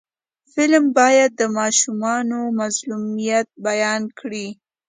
فلم باید د ماشومانو مظلومیت بیان کړي